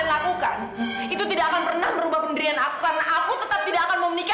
dia itu memang perempuan murahan tahu gak